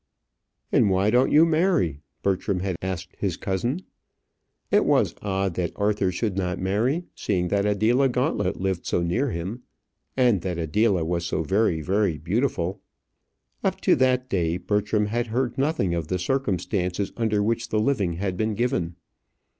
"And why don't you marry?" Bertram had asked his cousin. It was odd that Arthur should not marry, seeing that Adela Gauntlet lived so near him, and that Adela was so very, very beautiful. Up to that day, Bertram had heard nothing of the circumstances under which the living had been given.